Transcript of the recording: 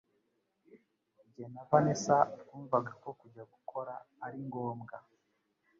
Jye na Vanessa twumvaga ko kujya gukora ari ngombwa